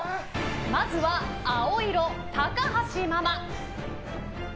まずは青色、高橋ママ。